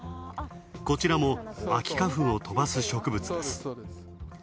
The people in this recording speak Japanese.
こちらも秋花粉を飛ばす植物です。